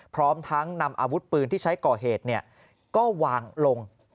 พร้อมทั้งนำอาวุธปืนที่ใช้ก่อเหตุก็วางลง